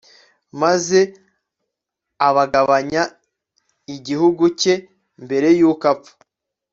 maze abagabanya igihugu cye mbere y'uko apfa